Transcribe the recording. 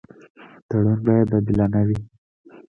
تړون باید عادلانه وي.